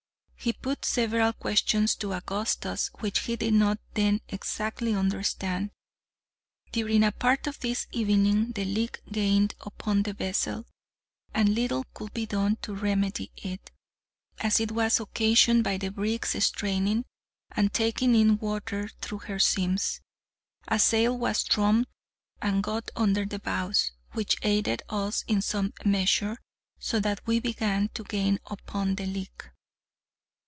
He put several questions to Augustus which he did not then exactly understand. During a part of this evening the leak gained upon the vessel; and little could be done to remedy it, as it was occasioned by the brig's straining, and taking in the water through her seams. A sail was thrummed, and got under the bows, which aided us in some measure, so that we began to gain upon the leak.